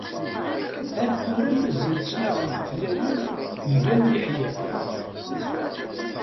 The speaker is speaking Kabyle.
Ar tura mazal ttnaɣent tlawin mgal miḥyaf.